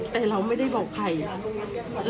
แต่เราไม่ได้บอกใครค่ะ